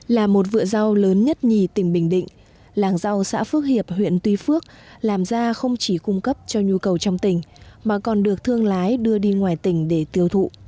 là một vựa rau lớn nhất nhì tỉnh bình định làng rau xã phước hiệp huyện tuy phước làm ra không chỉ cung cấp cho nhu cầu trong tỉnh mà còn được thương lái đưa đi ngoài tỉnh để tiêu thụ